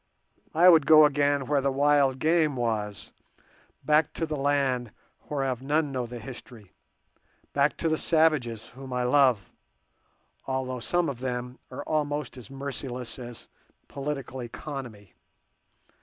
I would go again where the wild game was, back to the land whereof none know the history, back to the savages, whom I love, although some of them are almost as merciless as Political Economy.